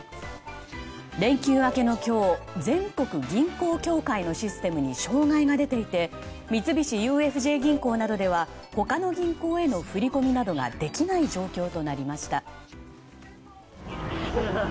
連休明けの今日全国銀行協会のシステムに障害が出ていて三菱ＵＦＪ銀行などでは他の銀行への振り込みなどができない状況となりました。